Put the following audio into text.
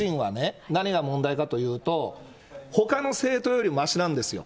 維新はね、何が問題かというと、ほかの政党よりましなんですよ。